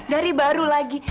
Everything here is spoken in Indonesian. dari baru lagi